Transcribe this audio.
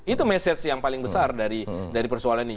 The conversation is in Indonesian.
itu message yang paling besar dari persoalan ini